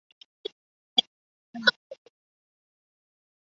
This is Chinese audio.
早年肄业于绥德省立第四师范学校肄业。